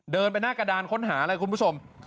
เดินไปหน้ากระดานค้นหาเลยคุณผู้ชม